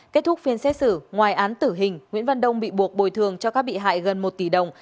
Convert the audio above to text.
kết thúc phiên xét xử ngoài án tử hình nguyễn văn đông bị buộc bồi thường cho các bị hại gần một tỷ đồng